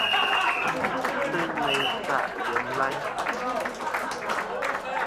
Ghɨ teyn mey nsaʼ yem layn.